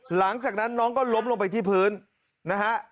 หลังจากนั้นน้องก็ล้มลงไปที่พื้นนะฮะ